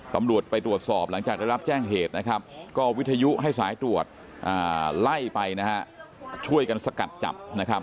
ตำรวจไปตรวจสอบหลังจากได้รับแจ้งเหตุวิทยุให้สายตรวจไล่ไปช่วยกันสกัดจับ